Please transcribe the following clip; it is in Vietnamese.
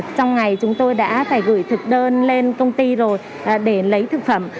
trong ngày chúng tôi đã phải gửi thực đơn lên công ty rồi để lấy thực phẩm